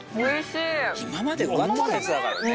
今まで埋まってたやつだからね。